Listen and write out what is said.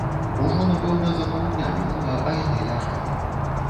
Ужо напэўна за паўдня мінула, а яны ляжалі.